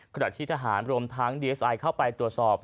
ขณะที่ทหารรวมทั้งดีเอสไอเข้าไปตรวจสอบ